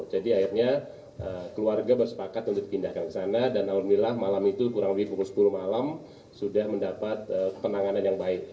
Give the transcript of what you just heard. jadi akhirnya keluarga bersepakat untuk dipindahkan ke sana dan alhamdulillah malam itu kurang lebih pukul sepuluh malam sudah mendapat penanganan yang baik